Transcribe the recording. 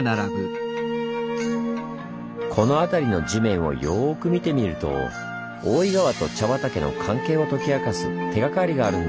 この辺りの地面をよく見てみると大井川と茶畑の関係を解き明かす手がかりがあるんです。